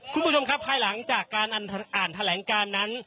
คุณผู้ชมครับภายหลังจากการอ่านแถลงการนั้น